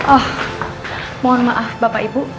oh mohon maaf bapak ibu